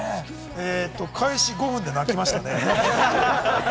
開始５分で泣けましたね。